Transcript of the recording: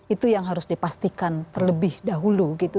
itu yang harus dipastikan terlebih dahulu gitu